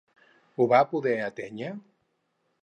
Ho va poder atènyer?